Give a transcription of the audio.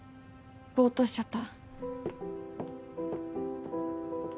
ぼうっとしちゃった。